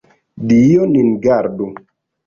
Dio nin gardu!